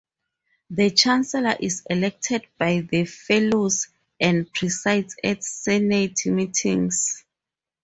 The chancellor is elected by the fellows and presides at Senate meetings.